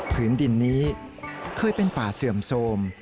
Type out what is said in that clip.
พื้นดินนี้เคยเป็นป่าเสื่อมโทรม